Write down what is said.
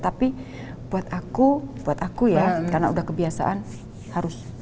tapi buat aku ya karena udah kebiasaan harus